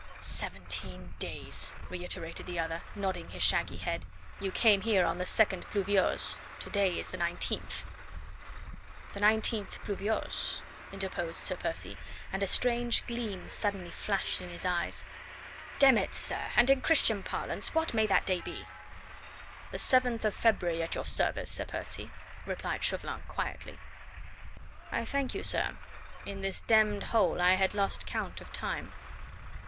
"Seventeen days," reiterated the other, nodding his shaggy head; "you came here on the 2nd of Pluviose, today is the 19th." "The 19th Pluviose?" interposed Sir Percy, and a strange gleam suddenly flashed in his eyes. "Demn it, sir, and in Christian parlance what may that day be?" "The 7th of February at your service, Sir Percy," replied Chauvelin quietly. "I thank you, sir. In this d d hole I had lost count of time."